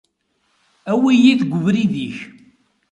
Awi-yi deg ubrid-ik.